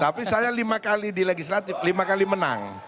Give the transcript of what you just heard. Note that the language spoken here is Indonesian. tapi saya lima kali di legislatif lima kali menang